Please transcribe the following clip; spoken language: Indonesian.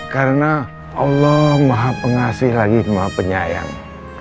karena allah maha pengasih lagi maha penyayang